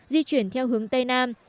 di chuyển theo hướng tây nam